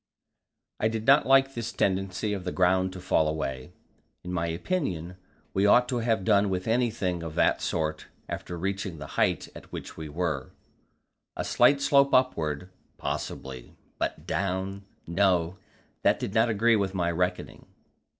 I did not like this tendency of the ground to fall away. In my opinion, we ought to have done with anything of that sort after reaching the height at which we were; a slight slope upward, possibly, but down no, that did not agree with my reckoning.